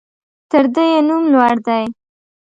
تر ده يې نوم لوړ دى.